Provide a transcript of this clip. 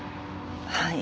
はい。